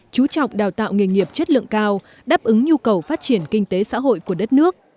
chú trọng đào tạo nghề nghiệp chất lượng cao đáp ứng nhu cầu phát triển kinh tế xã hội của đất nước